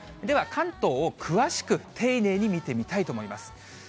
では、関東を詳しく丁寧に見てみたいと思います。